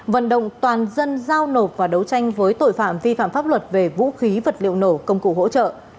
vận động toàn dân giao nộp và đấu tranh với tội phạm vi phạm pháp luật về vũ khí vật liệu nổ công cụ hỗ trợ